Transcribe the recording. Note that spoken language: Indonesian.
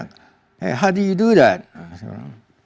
hey bagaimana kamu melakukan itu